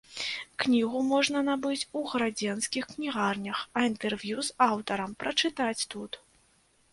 Кнігу можна набыць у гарадзенскіх кнігарнях, а інтэрв'ю з аўтарам прачытаць тут.